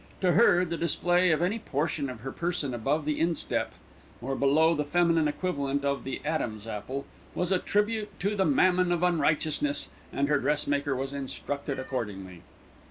To her, the display of any portion of her person above the instep, or below the feminine equivalent of the "Adam's apple," was a tribute to the Mammon of Unrighteousness, and her dressmaker was instructed accordingly.